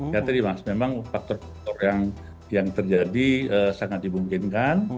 ya tadi mas memang faktor faktor yang terjadi sangat dimungkinkan